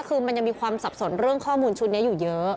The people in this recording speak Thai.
คือมันยังมีความสับสนเรื่องข้อมูลชุดนี้อยู่เยอะ